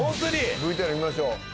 「ＶＴＲ見ましょう」